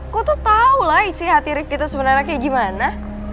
kau tuh tau lah isi hati rifki itu sebenarnya kayak gimana